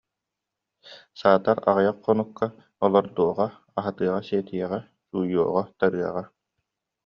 Саатар аҕыйах хонукка олордуоҕа, аһатыаҕа-сиэтиэҕэ, сууйуоҕа-тарыаҕа